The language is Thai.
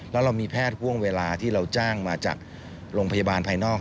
แล้วเรามีแพทย์ห่วงเวลาที่เราจ้างมาจากโรงพยาบาลภายนอก